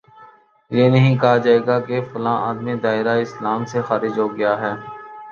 یہ نہیں کہا جائے گا کہ فلاں آدمی دائرۂ اسلام سے خارج ہو گیا ہے